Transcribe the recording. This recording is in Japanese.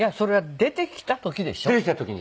出てきた時に。